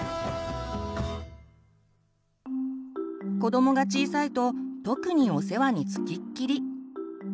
子どもが小さいと特にお世話に付きっきり。